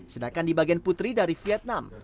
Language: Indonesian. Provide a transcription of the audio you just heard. sedangkan di bagian putri dari vietnam